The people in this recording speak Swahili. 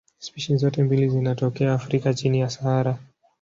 Spishi zote mbili zinatokea Afrika chini ya Sahara.